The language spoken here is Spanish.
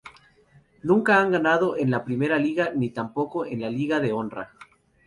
Nunca han jugado en la Primeira Liga ni tampoco en la Liga de Honra.